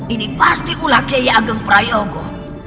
ini pasti ulah jahat agang pura yogo